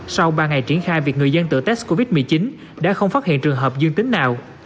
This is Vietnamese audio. sau ba ngày triển khai việc người dân tự test covid một mươi chín đã không phát hiện trường hợp dương tính nào